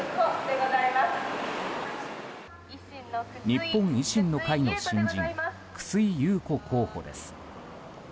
日本維新の会の新人楠井祐子候補です。